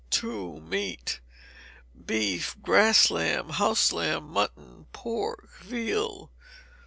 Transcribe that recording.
ii. Meat. Beef, grass lamb, house lamb, mutton, pork, veal.